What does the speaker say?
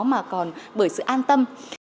mà còn bởi sự an tâm